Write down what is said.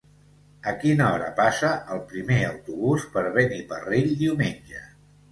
A quina hora passa el primer autobús per Beniparrell diumenge?